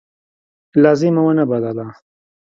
لازمه ونه بلله.